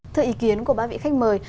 thưa ý kiến của bác vị khách mời